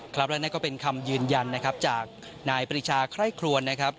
ครับและนั่นก็เป็นคำยืนยันนะครับจากนายปริชาไคร่ครวนนะครับ